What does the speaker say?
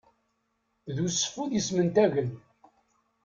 D useffud yesmentagen.